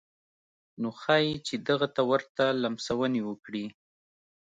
نو ښايي چې دغه ته ورته لمسونې وکړي.